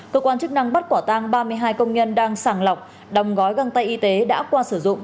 cơ quan chức năng bắt quả tang ba mươi hai công nhân đang sàng lọc đồng gói găng tay y tế đã qua sử dụng